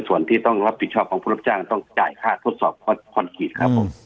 ส่วนที่ต้องรับผิดชอบของผู้รับจ้างต้องจ่ายค่าทดสอบคอนกรีตครับผม